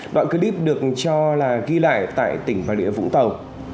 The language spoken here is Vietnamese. đoạn clip được cho là ghi lại tại tỉnh bà địa vũng tàu